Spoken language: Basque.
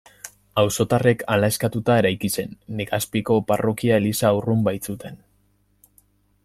Auzotarrek hala eskatuta eraiki zen, Legazpiko parrokia-eliza urrun baitzuten.